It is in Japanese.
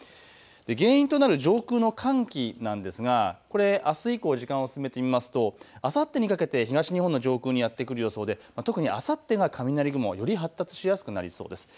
原因となる上空の寒気なんですがこれ、あす以降時間を進めてみますとあさってにかけて東日本の上空にやって来る予想で特にあさってが雷雲、より発達しやすくなりそうです。